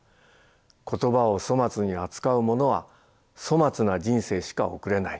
言葉を粗末に扱うものは粗末な人生しか送れない。